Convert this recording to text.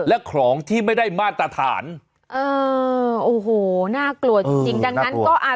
และของที่ไม่ได้มาตรฐานเออโอ้โหน่ากลัวจริงจริงดังนั้นก็อ่า